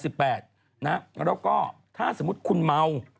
แล้วก็ถ้าสมมุติคุณเมา